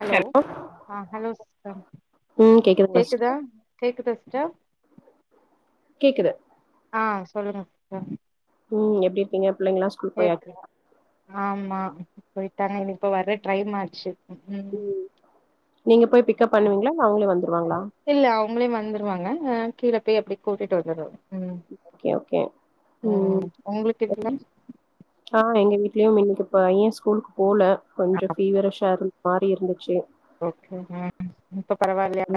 Hello அ hello சிஸ்ட்டா ம் கேக்குதுங்களா கேக்குதா சிஸ்டர் கேக்குதா ஸ்ட்டா கேக்குது அ சொல்லுங்க [unintelligible] ம் எப்டி இர்க்கீங்க புள்ளைங்ல்லா எப்டி ஆமா போயிட்டாங்க இன் இப்ப வர்ற ட்ரைம் ஆச்சு ம் ம் நீங்க போய் பிக்கப் பண்ணுவீங்ளா இல்ல அவங்ளே வந்துருவாங்ளா இல்ல அவுங்ளே வந்துருவாங்க அ கீழ பேய் அப்டே கூட்டிட் வந்துரு ம் ஓகே ஓகே ம் ம் உங்ளுக்கு எ [unintelligible] ஆ எங்க வீட்லியும் இன்னிக்கி பைய ஸ்கூலுக் போல கொஞ்ச பீவரிஷ்ஷா இருந் மாறி இருந்துச்சு ஓகே ம் ம் இப்ப பரவால்யா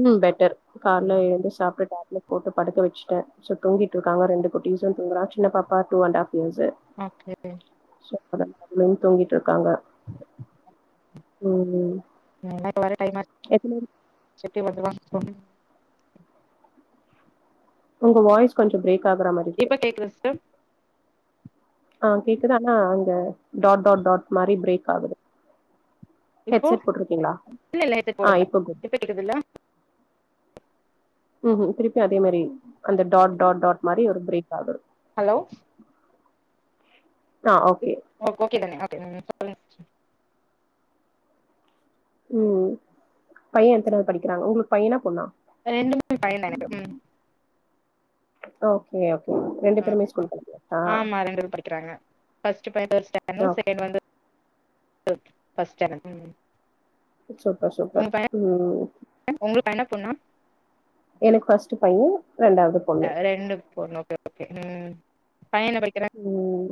ம் பெட்டர் கால்ல எழுந்து சாப்ட்டு டேப்லெட் போட்டு படுக்க வெச்சுட்ட தூங்கிட்ருக்காங்க ரெண்டு குட்டீஸு தூங்குறா சின்னப்பா two and half years okay [unintelligible] தூங்கிட்ருக்காங்க ம் ம் அதலா இப்ப வர டைம்மா [unintelligible] செட்டு மட்டு தா [inaudible] உங்க வாய்ஸ் கொஞ்சோ பிரேக் ஆகுற மாரி இருக்கு இப்ப கேக்குதா சிஸ்டர் ஆ கேக்குது ஆனா அந்த டாட் டாட் டாட் மாரி பிரேக் ஆகுது இப்போ ஹெட்செட் போட்ருக்கீங்களா இல்ல இல்ல ஹெட்செட் ஆ போடல இப்ப கேக்குது கேக்குதுல்ல ம்ஹும் திருப்பி அதே மாரி அந்த டாட் டாட் டாட் மாரி ஒரு பிரேக் ஆகுது ஹலோ ஆ ஓகே உங்களுக் ஓகே தான ஓகே ம் சொல்லுங்க சிஸ்டர் ம் பைய எத்தனாவுது படிக்கிறாங் உங்களுக்கு பையனா பொண்ணா ரெண்டுமே பைய தா எனக்கு ம் ஓகே ஓகே ரெண்டு ஆ பேருமே சேரி ஸ்கூல் படிக்கிறாங்களா ஆமா ரெண்டு பேரு படிக்கிறாங்க ஃபஸ்ட்டு பைய ஓகே [inaudible] சூப்பர் உங்க சூப்பர் பைய ம் ம் உங்களுக்கு பையனா பொண்ணா எனக்கு ஃபஸ்ட்டு பைய ரெண்டாவது அ பொண்ணு ரெண்டு பொண்ணு ஓகே ஓகே ம் பைய என்ன படிக்கிறாங் ம்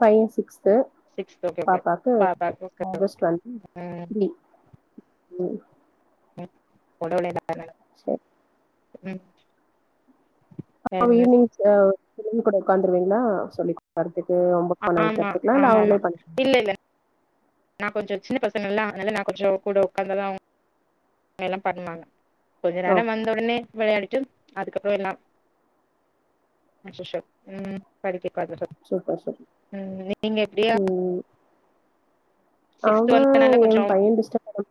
பைய சிக்ஸ்த்து சிக்ஸ்த் ஓகே ஓகே பாப்பாக்கு பாப்பா ஓகே ஓகே. ஆகஸ்ட் டுவெல் ம் திரி ம் [inaudible] சேர் ம் அ ஈவ்னிங் அ [inaudible] கூட ஒக்காந்துருவிங்ளா சொல்லிக் வறதுக்கு ஆமா ஆமா ஹோம் ஒர்க் பண்ண ஆமா வைக்கறதுக்கலா இல்ல ஆமாமா. அவுங்களே பண்ணிக் இல்ல இல்ல நா கொஞ்சோ சின்ன பசங்கள்லா அதனால நா கொஞ்சோ கூட ஒக்காந்தாதா எல்லாம் பண்ணுவாங்க கொஞ்ச நேரோ ஓகே வந்த ஒடனே வெளயாடிட்டு அதுக்கப்பறோ எல்லா அஷிஷ்வல் ம் படிக்க ஒக்காந்துட்டு சூப்பர் சூப் ம் நீங்க எப்டி ம் சிக்ஸ்த் ஆனா வந்தனால எ கொஞ்சோ பையன் டிஸ்டர்ப் பண்ண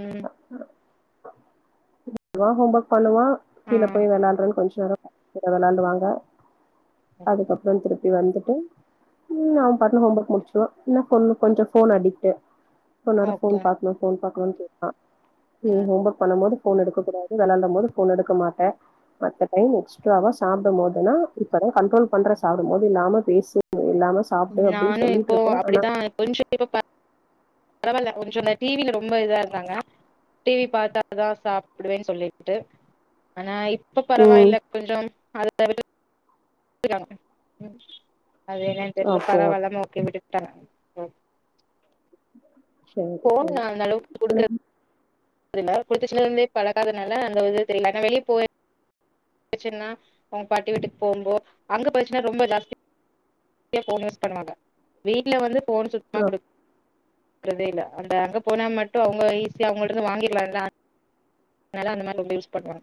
ம் வருவா ஹோம் ஒர்க் பண்ணுவா கீழ ஆ போய் வெளாட்றன் கொஞ்ச நேரோ போய் வெளடுவாங்க அதுக்கப் றோ திருப்பி வந்துட்டு ம் அவ‌ பாட்னு ஹோம் ஒர்க் முடிச்சுருவா இன்னு பொண்ணு‌கொஞ்சோ ஃபோன் அடிக்ட்டு கொஞ் நேரோ ஃபோன் ஓகே பாக்கனு ஃபோன் பாக்கனு கேப்பா ம் ஹோம் ஒர்க் பண்ணும் போது ஃபோன் எடுக்க கூடாது வெளாடும் போது ஃபோன் எடுக்க மாட்ட அந்த டைம் எக்ஸ்ட்ர்வா சாப்டும் போதுன்னா இப்பதா கண்ட்ரோல் பண்ற சாப்டும் போது இல்லாம பேசறது இல்லாம சாப்டு அப்டின்னு சொல்லிட்ருக்க ஆனா [inaudible] பரவாயில்ல கொஞ்சோ அந்த டி வில ரொம்ப இதா இருக்காங்க டி வி பாத்தா தா சாப்டுவே சொல்லிட்டு ஆனா இப்ப ம் பரவாயில்ல கொஞ்சோ [inaudible] அது என்னன்னு தெரில பரவாயில்ல ஓகே விட்டுட்டாங்க சேரி ஃபோன் சேரி நா அந்த அளவுக் ஆனா குடுக்குறது அ குளிச்ச இருந்தே பழக்காதனால அந்த தெரியங்க வெளிய போயி [unintelligible] அவங்க பாட்டி வீட்டுக்கு போகும்போ அங்க பிரச்சுா ரொம்ப ஜாஸ்தி ன் யூஸ் பண்வாங்க வீட்ல வந்து ஃபோன் ஆ சுத்தமா குடு க்றதே இல்ல அந்த அங்க போனா மட்டு அவங்க ஈஸியா அவங்கட்டருந்து வாங்கிடுலால நல்லா அந்த மாரி ரொம்ப யூஸ் பண்வா